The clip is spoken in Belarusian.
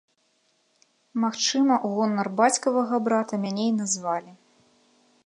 Магчыма, у гонар бацькавага брата мяне і назвалі.